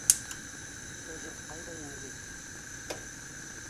— Ә һеҙ ҡайҙа инегеҙ?